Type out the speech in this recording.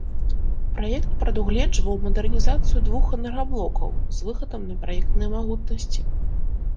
Праект прадугледжваў мадэрнізацыю двух энергаблокаў з выхадам на праектныя магутнасці.